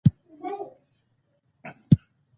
ډاکټر حکمت او نور تر ترمینل پورې ملګري وو.